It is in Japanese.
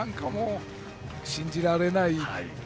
信じられない。